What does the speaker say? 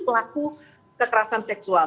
pelaku kekerasan seksual